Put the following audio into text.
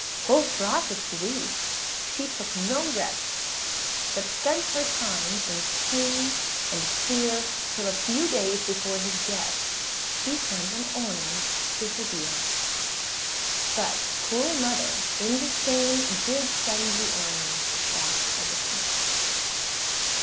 â Full fraught with grief, she took no rest, But spent her time in pain and fear, Till a few days before his death She sent an orange to her dear; Butâs cruel mother in disdain, Did send the orange back again.